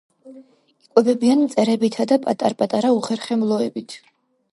იკვებებიან მწერებით და პატარ-პატარა უხერხემლოებით.